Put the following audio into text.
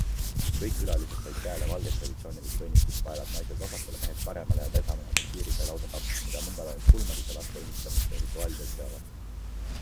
Kõik külalised said käele valged traditsioonilised õnnistuspaelad - naised vasakule, mehed paremale ja pesamuna Neytiri sai lausa kaks -, mida mungad ainult pulmades ja laste õnnistamiste rituaalidel seovad.